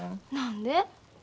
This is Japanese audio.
何で？